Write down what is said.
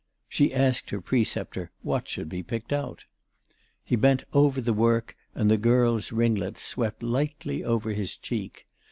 She asked her preceptor what should be picked out. He bent over the work, and the girl's ringlets swept lightly over his cheek.